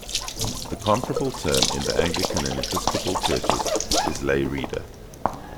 The comparable term in the Anglican and Episcopal churches is Lay Reader.